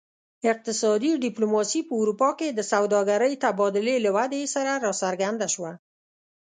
اقتصادي ډیپلوماسي په اروپا کې د سوداګرۍ تبادلې له ودې سره راڅرګنده شوه